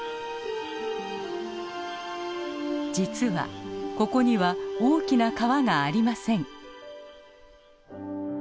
実はここには大きな川がありません。